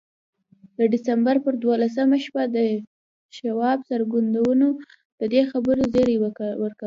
د ډسمبر پر دولسمه شپه د شواب څرګندونو د دې خبرې زيري ورکاوه.